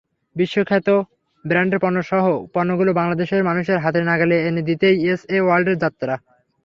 বিশ্বখ্যাত ব্র্যান্ডের পণ্যগুলো বাংলাদেশের মানুষের হাতের নাগালে এনে দিতেই এসএ ওয়ার্ল্ডের যাত্রা।